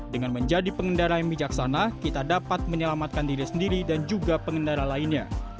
dengan menjadi pengendara yang bijaksana kita dapat menyelamatkan diri sendiri dan juga pengendara lainnya